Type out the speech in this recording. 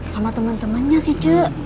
sama temen temennya sih cuk